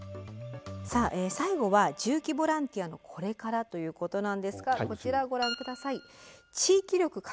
さあ最後は重機ボランティアのこれからということなんですがこちらをご覧下さい。